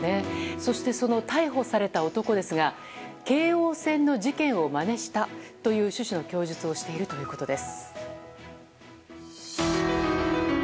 そして、その逮捕された男ですが京王線の事件をまねしたという趣旨の供述をしているということです。